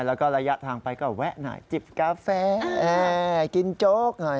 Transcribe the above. แล้วก็ระยะทางไปก็แวะหน่อยจิบกาแฟกินโจ๊กหน่อย